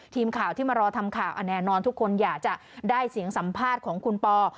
ทีมข่าวที่มารอทำข่าวแน่นอนทุกคนอยากจะได้เสียงสัมภาษณ์ของคุณปอ